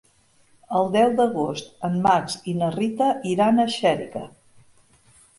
El deu d'agost en Max i na Rita iran a Xèrica.